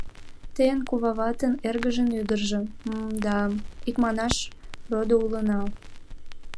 Тыйын куваватын эргыжын ӱдыржӧ... м-м... да, икманаш, родо улына...